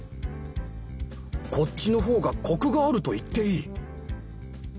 こっちのほうがコクがあると言っていい